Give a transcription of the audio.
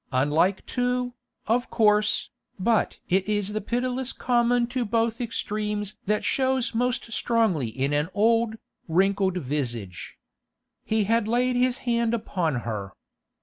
Unlike too, of course, but it is the pitilessness common to both extremes that shows most strongly in an old, wrinkled visage. He had laid his hand upon her.